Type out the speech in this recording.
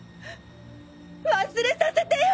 忘れさせてよ！